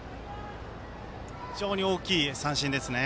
非常に大きい三振ですね。